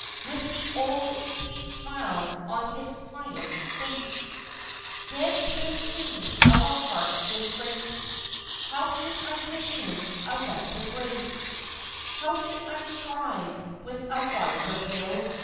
With the old, sweet smile on his quiet face, Dead to the sting of a heart's disgrace.... How should I wish him a lesser grace, How should I strive with a wiser Will?